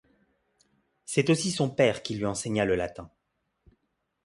C’est aussi son père qui lui enseigna le latin.